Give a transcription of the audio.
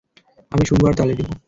আমি শুনবো, আর তালি দিবো।